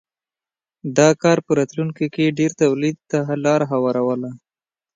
دا کار په راتلونکې کې ډېر تولید ته لار هواروله.